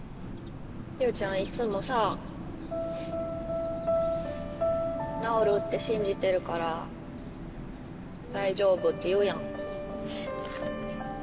理央奈ちゃんいつもさ、治るって信じてるから、大丈夫って言うやん。